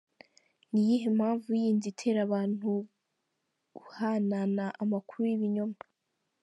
Ni iyihe mpamvu yindi itera abantu guhanahana amakuru y'ibinyoma?.